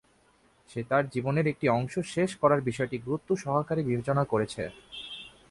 সে তার জীবনের একটি অংশ শেষ করার বিষয়টি গুরুত্ব সহকারে বিবেচনা করেছে।